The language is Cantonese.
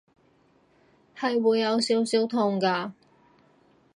係會有少少痛㗎